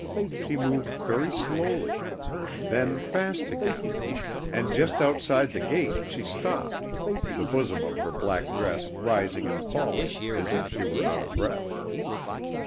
She moved very slowly; then fast again; and just outside the gate she stopped, the bosom of her black dress rising and falling as if she were out of breath.